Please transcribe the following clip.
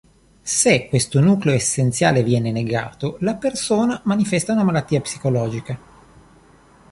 Se questo nucleo essenziale viene negato, la persona manifesta una malattia psicologica.